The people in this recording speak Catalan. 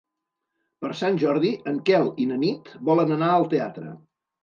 Per Sant Jordi en Quel i na Nit volen anar al teatre.